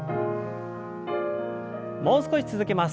もう少し続けます。